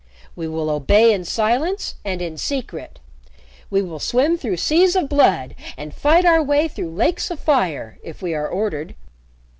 We will obey in silence and in secret. We will swim through seas of blood and fight our way through lakes of fire, if we are ordered.